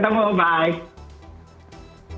sampai ketemu bye